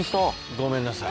ごめんなさい。